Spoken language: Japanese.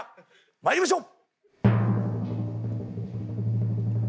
まいりましょう！